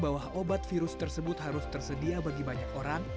bagian orang percaya bahwa obat virus tersebut harus tersedia bagi banyak orang